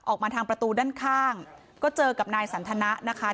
ออกมาทางประตูด้านข้างก็เจอกับนายสันทนะนะคะ